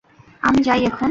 আমি যাই এখন।